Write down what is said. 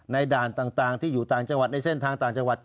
ด่านต่างที่อยู่ต่างจังหวัดในเส้นทางต่างจังหวัด